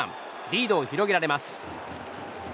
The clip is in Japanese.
リードを広げられます。